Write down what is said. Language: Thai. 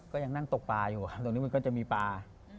ก็ยังนั่งตกปลาอยู่ครับตรงนี้มันก็จะมีปลา